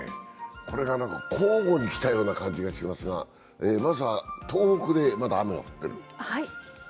これが交互に来たような感じがしますがまずは東北でまだ雨が降ってる？